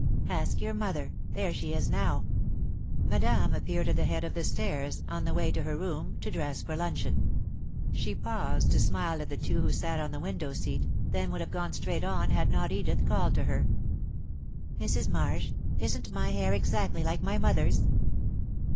"Ask your mother. There she is now." Madame appeared at the head of the stairs, on the way to her room, to dress for luncheon. She paused to smile at the two who sat on the window seat, then would have gone straight on had not Edith called to her. "Mrs. Marsh! Isn't my hair exactly like my mother's?"